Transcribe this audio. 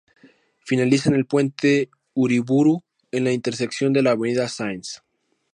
Finaliza en el Puente Uriburu en la intersección de la Avenida Sáenz.